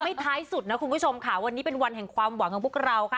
ท้ายสุดนะคุณผู้ชมค่ะวันนี้เป็นวันแห่งความหวังของพวกเราค่ะ